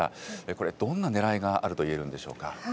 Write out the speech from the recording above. これ、どんなねらいがあると言えるんでしょうか。